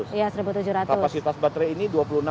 kapasitas baterai ini dua puluh enam